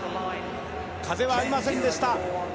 風はありませんでした。